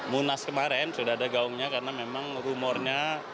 munas kemarin sudah ada gaungnya karena memang rumornya